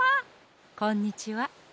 こんにちは。